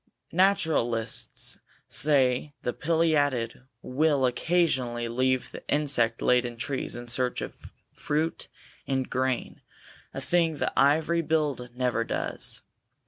Naturalists say the pileated will occasionally leave the insect laden trees in search of fruit and grain, a thing the ivory billed never does.